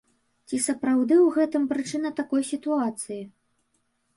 Ці сапраўды ў гэтым прычына такой сітуацыі?